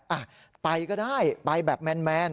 อ่ะไปก็ได้ไปแบบแมน